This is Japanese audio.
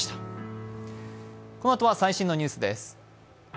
このあとは最新のニュースです。